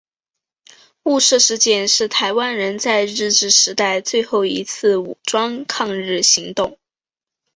雾社事件是台湾人在日治时代最后一次武装抗日行动。